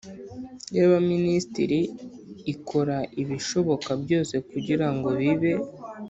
y Abaminisitiri ikora ibishoboka byose kugira ngo bibe